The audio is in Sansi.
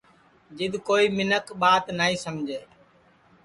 جِد کوئی مینکھ ٻات نائی سمجے